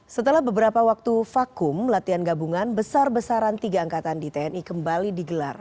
setelah beberapa waktu vakum latihan gabungan besar besaran tiga angkatan di tni kembali digelar